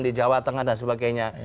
di jawa tengah dan sebagainya